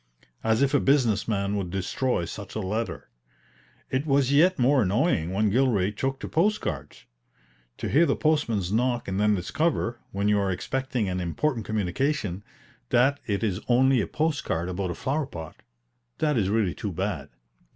As if a business man would destroy such a letter. It was yet more annoying when Gilray took to post cards. To hear the postman's knock and then discover, when you are expecting an important communication, that it is only a post card about a flower pot that is really too bad.